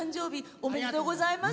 ありがとうございます。